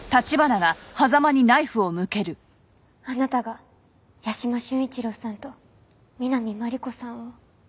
あなたが屋島修一郎さんと南真理子さんを。